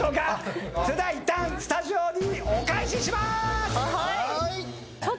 それではいったんスタジオにお返しします。